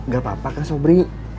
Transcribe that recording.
gak apa apa kak sobri